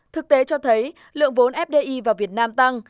thực tế cho thấy lượng vốn fdi vào việt nam tăng